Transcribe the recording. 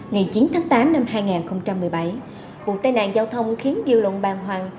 ngày chín tháng tám năm hai nghìn một mươi bảy vụ tai nạn giao thông khiến điều lộn bàn hoàng